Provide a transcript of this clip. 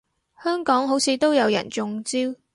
香港好似都有人中招